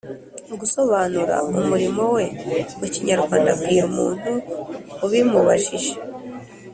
gusobanura umurimo we mu kinyarwanda abwira umuntu ubimubajije